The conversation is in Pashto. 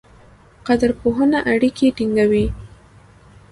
قدرپوهنه اړیکې ټینګوي.